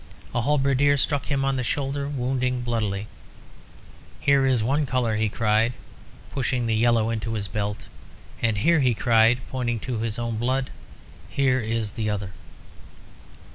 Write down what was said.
A halberdier struck him on the shoulder, wounding bloodily. "Here is one colour!" he cried, pushing the yellow into his belt; "and here!" he cried, pointing to his own blood "here is the other."